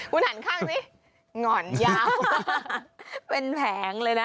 คุณหันข้างนี้หน่อนจะเวลา